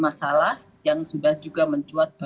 masalah yang sudah juga mencuat